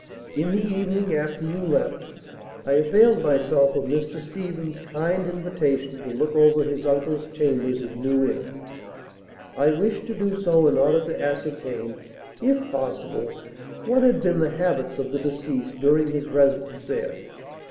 In the evening, after you left, I availed myself of Mr. Stephen's kind invitation to look over his uncle's chambers in New Inn. I wished to do so in order to ascertain, if possible, what had been the habits of the deceased during his residence there.